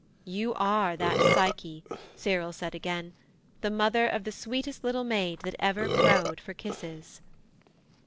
'You are that Psyche,' Cyril said again, 'The mother of the sweetest little maid, That ever crowed for kisses.'